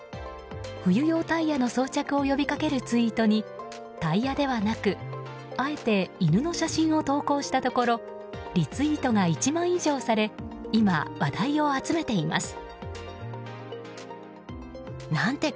冬用タイヤの装着を呼びかけるツイートにタイヤではなくあえて犬の写真を投稿したところリツイートが１万以上され今、話題を集めています。